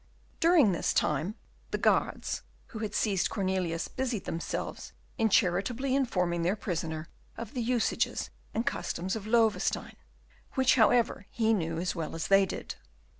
During this time, the guards who had seized Cornelius busied themselves in charitably informing their prisoner of the usages and customs of Loewestein, which however he knew as well as they did.